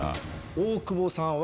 大久保さんは。